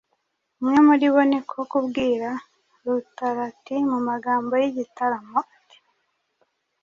Umwe muri bo ni ko kubwira Rutarati mu magambo y’igitaramo ati: